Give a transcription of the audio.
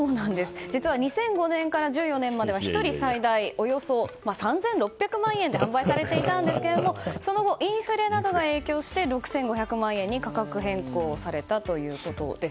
実は２００５年から１４年までは１人最大およそ３６００万円で販売されていたんですけれどもその後インフレなどが影響して６５００万円に価格変更されたということです。